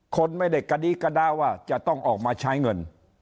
คนไม่ได้กระดี้กระดาว่าจะต้องออกมาใช้เงิน